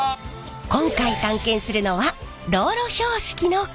今回探検するのは道路標識の工場。